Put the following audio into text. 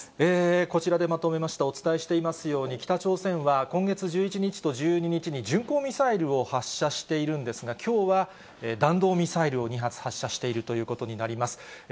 こちらでまとめました、お伝えしていますように、北朝鮮は今月１１日と１２日に、巡航ミサイルを発射しているんですが、きょうは弾道ミサイルを２発発射しているということになります。